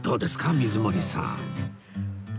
水森さん